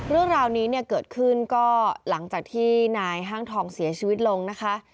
เรื่องราวนี้เนี่ยเกิดขึ้นก็หลังจากที่นายห้างทองเสียชีวิตลงนะคะ